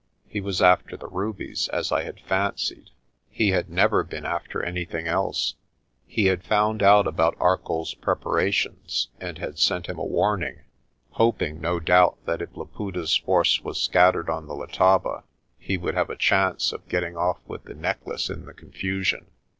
He was after the rubies, as I had fancied ; he had never been after anything else. He had found out about Arcoll's preparations and had sent him a warning, hoping, no doubt, that if Laputa's force was scattered on the Letaba, he would have a chance of get ting off with the necklace in the confusion.